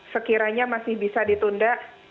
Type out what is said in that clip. sekiranya masih bisa ditunda